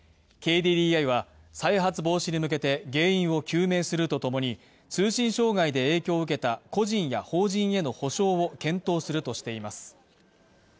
ＫＤＤＩは再発防止に向けて原因を究明するとともに通信障害で影響を受けた個人や法人への補償を検討するとしています。